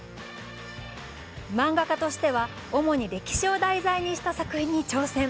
漫画家としては、主に歴史を題材にした作品に挑戦。